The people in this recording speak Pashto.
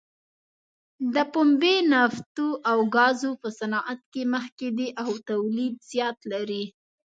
د پنبې، نفتو او ګازو په صنعت کې مخکې دی او تولید زیات لري.